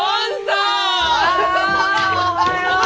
あおはよう！